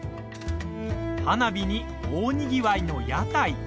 花火に、大にぎわいの屋台。